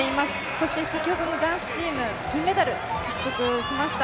そして先ほどの男子チーム、銀メダル獲得しました。